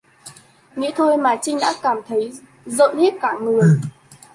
nghĩ thôi mà Trinh đã cảm thấy dợt hết cả người